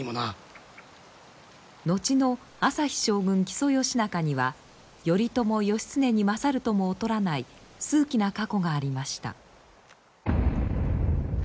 木曽義仲には頼朝義経に勝るとも劣らない数奇な過去がありました。